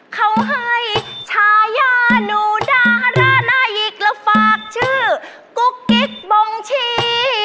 เขาให้ชายาหนูดารานายิกแล้วฝากชื่อกุ๊กกิ๊กบงชี